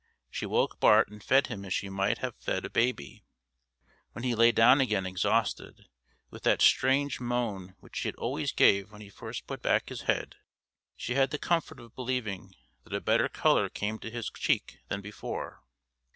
She woke Bart and fed him as she might have fed a baby. When he lay down again exhausted, with that strange moan which he always gave when he first put back his head, she had the comfort of believing that a better colour came to his cheek than before.